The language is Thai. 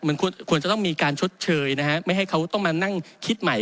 มันควรจะต้องมีการชดเชยนะฮะไม่ให้เขาต้องมานั่งคิดใหม่